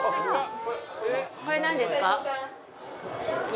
これなんですか？